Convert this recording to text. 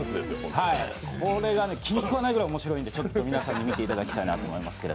これが気にくわないぐらい面白いので皆さんに見ていただきたいと思うんですけど。